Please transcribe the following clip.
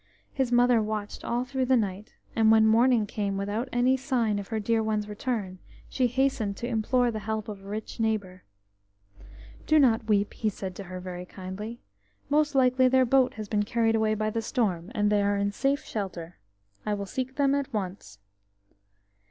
His mother watched all through the night, and when morning came without any sign of her dear ones' return, she hastened to implore the help of a rich neighbour. "Do not weep!" he said to her very kindly. "Most likely their boat has been carried away by the storm, and they are in safe shelter. I will seek them at once."